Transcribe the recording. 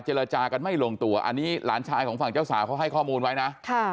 จากันไม่ลงตัวอันนี้หลานชายของฝั่งเจ้าสาวเขาให้ข้อมูลไว้นะ